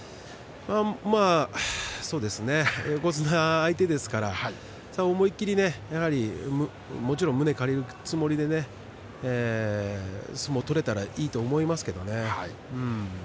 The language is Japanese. そうですね横綱相手ですから思い切りもちろん胸を借りるつもりでね相撲が取れたらいいと思いますけどね。